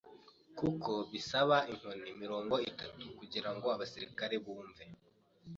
Kuko bisaba inkoni mirongo itatu kugirango abasirikare bumve.